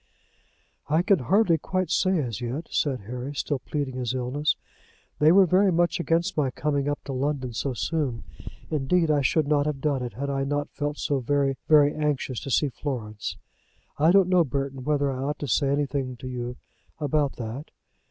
"I can hardly quite say as yet," said Harry, still pleading his illness. "They were very much against my coming up to London so soon. Indeed I should not have done it had I not felt so very very anxious to see Florence. I don't know, Burton, whether I ought to say anything to you about that."